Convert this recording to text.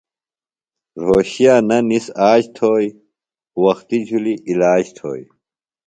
رھوشِیہ نہ نِس آج تھوئیۡ، وختیۡ جُھلیۡ عِلاج تھوئیۡ